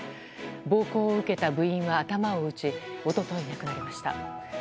暴行を受けた部員は頭を打ち一昨日亡くなりました。